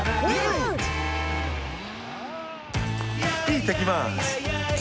いってきます！